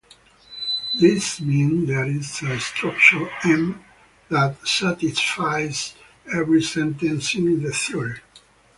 This means there is a structure "M" that satisfies every sentence in the theory.